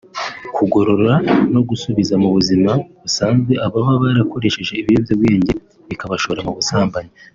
kugorora no gusubiza mu buzima busanzwe ababa barakoresheje ibiyobyabwenge bikabashora mu busambanyi